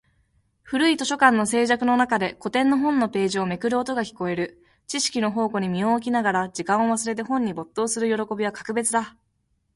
古い図書館の静寂の中で、古典の本のページをめくる音が聞こえる。知識の宝庫に身を置きながら、時間を忘れて本に没頭する喜びは格別だ。